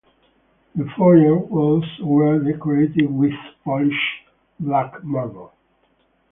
The foyer walls were decorated with polished black marble.